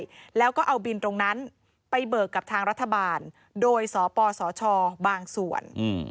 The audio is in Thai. แล้วก็เอาบินตรงนั้นไปเบิกกับทางรัฐบาลโดยสปสชบางส่วน